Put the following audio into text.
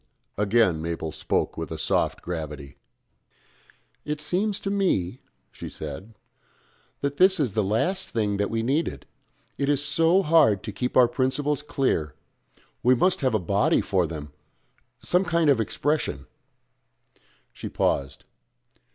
Again Mabel spoke with a soft gravity. "It seems to me," she said, "that this is the last thing that we needed. It is so hard to keep our principles clear we must have a body for them some kind of expression " She paused.